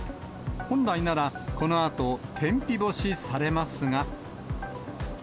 本来なら、このあと天日干しされますが。